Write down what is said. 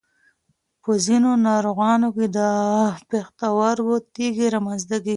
په ځینو ناروغانو کې د پښتورګو تېږې رامنځته کېږي.